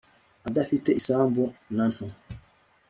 adafite isambu na nto